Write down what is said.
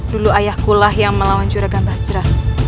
dulu ayahkulah yang melawan juragan bahjrah